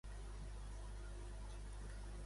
A quina llista apareix Vár en l'Edda en prosa?